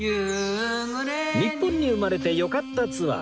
日本に生まれてよかったツアー